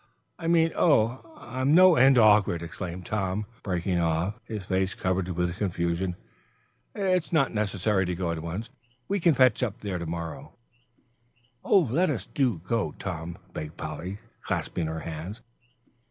"I mean oh, I'm no end awkward," exclaimed Tom, breaking off, his face covered with confusion. "It's not necessary to go at once; we can fetch up there to morrow." "Oh, do let us go, Tom," begged Polly, clasping her hands.